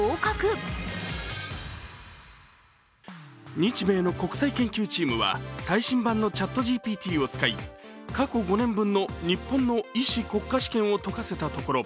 日米の国際研究チームは最新版のＣｈａｔＧＰＴを使い過去５年分の日本の医師国家試験を解かせたところ